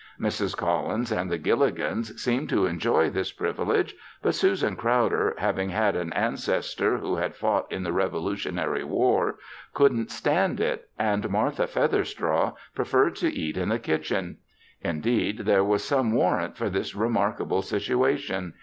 Mrs. Collins and the Gilligans seemed to enjoy this privilege but Susan Crowder, having had an ancestor who had fought in the Revolutionary War, couldn't stand it, and Martha Featherstraw preferred to eat in the kitchen. Indeed there was some warrant for this remarkable situation.